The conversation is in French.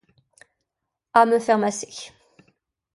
À me faire masser.